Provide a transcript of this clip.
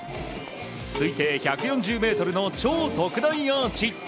推定１４０ｍの超特大アーチ。